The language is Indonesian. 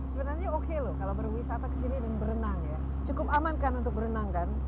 sebenarnya oke loh kalau berwisata ke sini dan berenang ya cukup aman kan untuk berenang kan